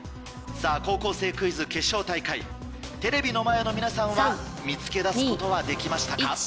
『高校生クイズ』決勝大会テレビの前の皆さんは見つけ出すことはできましたか？